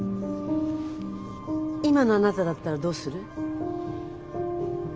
今のあなただったらどうする？